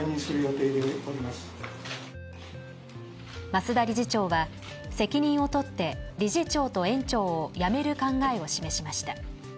増田理事長は責任をとって理事長と園長を辞める考えを示しました。